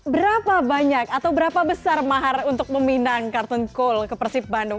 berapa banyak atau berapa besar mahar untuk meminang kartun kool ke persib bandung